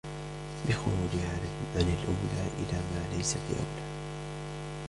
بِخُرُوجِهَا عَنْ الْأَوْلَى إلَى مَا لَيْسَ بِأَوْلَى